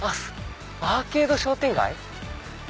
アーケード商店街？